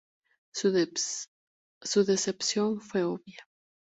Su decepción fue obvia.